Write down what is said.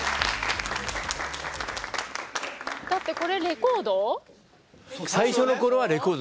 だってこれレコード？